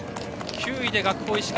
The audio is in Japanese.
９位で学法石川。